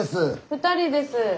２人です。